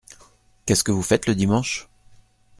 Qu’est-ce que vous faites le dimanche ?